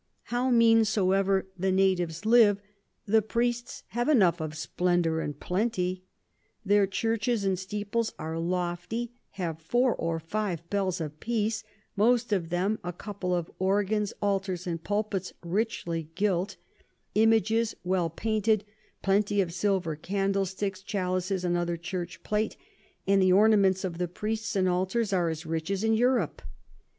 How mean soever the Natives live, the Priests have enough of Splendor and Plenty. Their Churches and Steeples are lofty, have four or five Bells apiece, most of 'em a couple of Organs, Altars, and Pulpits richly gilt, Images well painted, plenty of Silver Candlesticks, Chalices, and other Church Plate; and the Ornaments of the Priests and Altars are as rich as in Europe.